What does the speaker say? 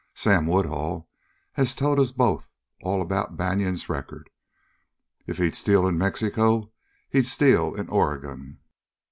Sam Woodhull has told us both all about Banion's record. If he'd steal in Mexico he'd steal in Oregon."